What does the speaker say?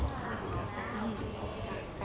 เรียบร้อยนะคะติดตามด้วยค่ะ